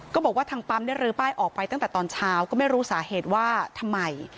บอกว่าทางปั๊มได้รื้อป้ายออกไปตั้งแต่ตอนเช้าก็ไม่รู้สาเหตุว่าทำไม